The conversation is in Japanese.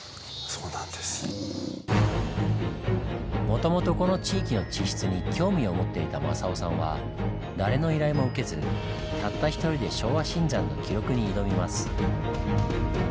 もともとこの地域の地質に興味を持っていた正夫さんは誰の依頼も受けずたった１人で昭和新山の記録に挑みます。